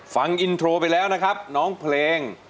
ฟังอินโทรไปแล้วนะครับน้องเพลง